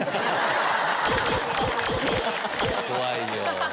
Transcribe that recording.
怖いよ。